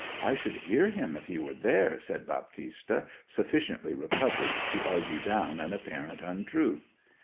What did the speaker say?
I should hear him if he were there,' said Baptista, sufficiently recovered to argue down an apparent untruth.